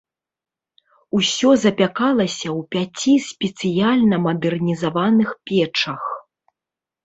Усё запякалася ў пяці спецыяльна мадэрнізаваных печах.